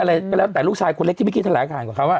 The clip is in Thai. หรืออะไรแต่ลูกชายคนเล็กที่ไม่คิดทานหลายการกับเขาอะ